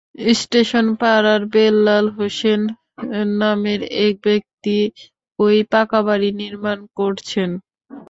স্টেশনপাড়ার বেলাল হোসেন নামের এক ব্যক্তি ওই পাকা বাড়ি নির্মাণ করছেন।